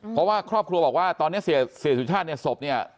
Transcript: เพราะว่าครอบครัวบอกว่าตอนนี้เสียสุชาติเนี่ยศพเนี่ย